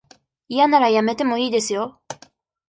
嫌ならやめてもいいですよ。